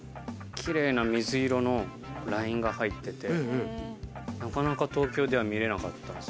きれいな水色のラインが入っていて、なかなか東京では見られないです。